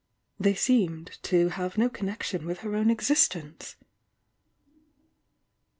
They seemed to have no connection with her own existence.